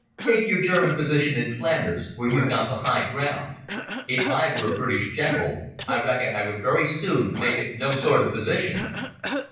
Take your German position in Flanders, where you've got the high ground. If I were a British general I reckon I would very soon make it no sort of position."